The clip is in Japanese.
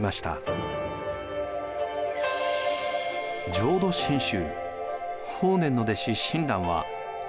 浄土真宗。